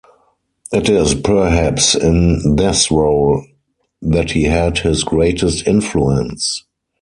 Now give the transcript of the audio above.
It is perhaps in this role that he had his greatest influence.